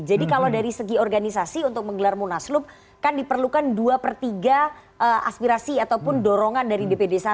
jadi kalau dari segi organisasi untuk menggelar munaslup kan diperlukan dua per tiga aspirasi ataupun dorongan dari dpd satu